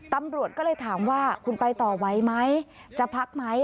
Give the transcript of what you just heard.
ตำรวจก็เลยถามว่าคุณไปต่อไหวไหมจะพักไหม